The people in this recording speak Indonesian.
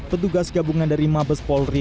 petugas gabungan dari mabes polri